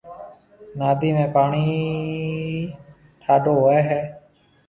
نادِي ۾ پاڻِي ٺاڍو هوئيَ هيَ